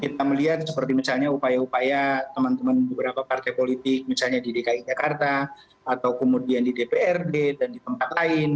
kita melihat seperti misalnya upaya upaya teman teman beberapa partai politik misalnya di dki jakarta atau kemudian di dprd dan di tempat lain